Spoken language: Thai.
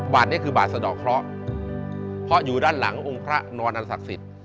บาทนี้คือบาทสะดอกเคราะห์เพราะอยู่ด้านหลังองค์พระนอนอันศักดิ์สิทธิ์